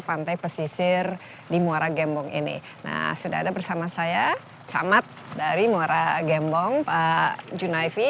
pantai pesisir di muara gembong ini nah sudah ada bersama saya camat dari muara gembong pak junaifi